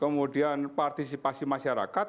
kemudian partisipasi masyarakat